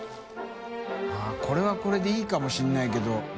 ◆舛これはこれでいいかもしれないけど。